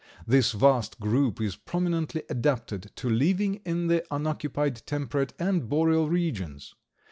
This vast group is prominently adapted to living in the unoccupied temperate and boreal regions.